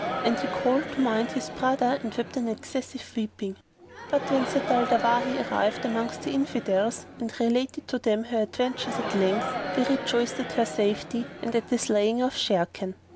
And he called to mind his brother and wept with excessive weeping. But when Zat al Dawahi arrived amongst the Infidels and related to them her adventures at length, they rejoiced at her safety and at the slaying of Sharrkan.